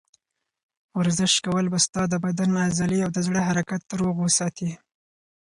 ورزش کول به ستا د بدن عضلې او د زړه حرکت روغ وساتي.